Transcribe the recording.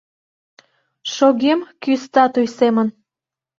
Шогем кӱ статуй семын.